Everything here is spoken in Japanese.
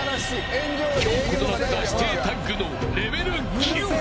強固となった師弟タッグのレベル９。